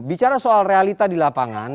bicara soal realita di lapangan